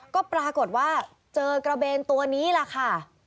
ก็ปรากฏว่าเจอกระเบนตัวนี้แหละค่ะ